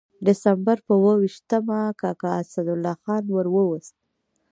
د سپټمبر پر اووه ویشتمه کاکا اسدالله خان ور ووست.